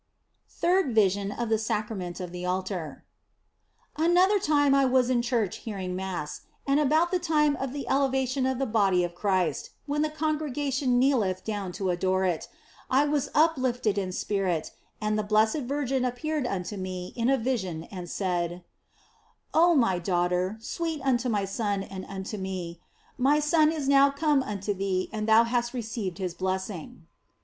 THIRD VISION OF THE SACRAMENT OF THE ALTAR ANOTHER time I was in church hearing Mass, and about the time of the elevation of the Body of Christ (when the congregation kneeleth down to adore it), I was uplifted in spirit, and the Blessed Virgin appeared unto me in a vision and said : OF FOLIGNO 225 " Oh my daughter, sweet unto my Son and unto me, my Son is now come unto thee and thou hast received His blessing."